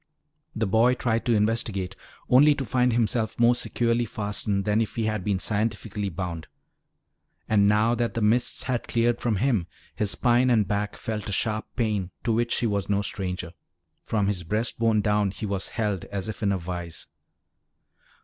The boy tried to investigate, only to find himself more securely fastened than if he had been scientifically bound. And now that the mists had cleared from him, his spine and back felt a sharp pain to which he was no stranger. From his breast bone down he was held as if in a vise.